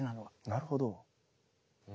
なるほど。